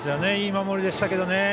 いい守りでしたけどね。